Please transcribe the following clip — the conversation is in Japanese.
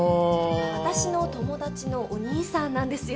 私の友達のお兄さんなんですよ。